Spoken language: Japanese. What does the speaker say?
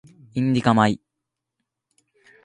インディカ米